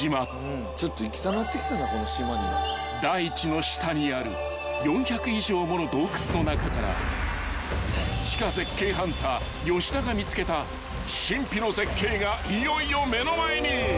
［大地の下にある４００以上もの洞窟の中から地下絶景ハンター吉田が見つけた神秘の絶景がいよいよ目の前に］